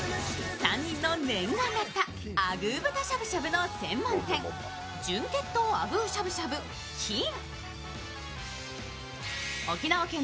３人の念願だったアグー豚しゃぶしゃぶの専門店純血統アグーしゃぶしゃぶ金武。